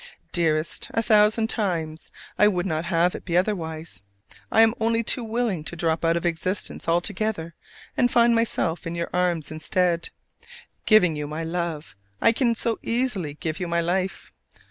Dearest, a thousand times, I would not have it be otherwise: I am only too willing to drop out of existence altogether and find myself in your arms instead. Giving you my love, I can so easily give you my life.